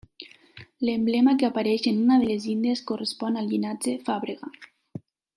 L'emblema que apareix en una de les llindes correspon al llinatge Fàbrega.